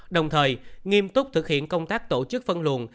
đồng thời nghiêm túc thực hiện công tác tổ chức phân luồn